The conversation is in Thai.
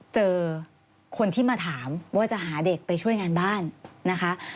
เจอคนที่มาถามว่าจะหาเด็กไปช่วยงานบ้านนะคะ